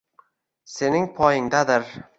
Sening poyingdadir